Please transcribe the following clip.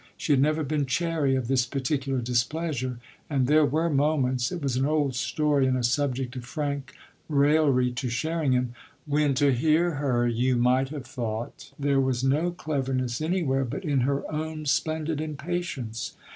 She had never been chary of this particular displeasure, and there were moments it was an old story and a subject of frank raillery to Sherringham when to hear her you might have thought there was no cleverness anywhere but in her own splendid impatience.